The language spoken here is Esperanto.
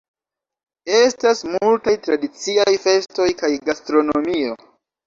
Estas multaj tradiciaj festoj kaj gastronomio.